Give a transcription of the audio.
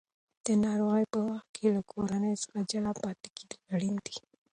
د ناروغۍ په وخت کې له کورنۍ څخه جلا پاتې کېدل اړین دي.